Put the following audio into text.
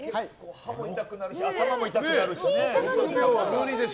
歯も痛くなるし頭も痛くなるしね。